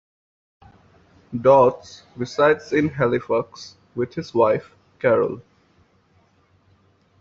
Dodds resides in Halifax with his wife, Carol.